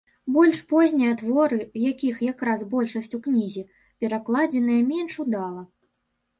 Больш познія творы, якіх якраз большасць у кнізе, перакладзеныя менш удала.